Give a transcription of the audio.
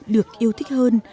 được yêu thích hơn